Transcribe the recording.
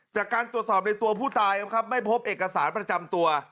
จากการตรวจสอบในตัวผู้ตายนะครับไม่พบเอกสารประจำตัว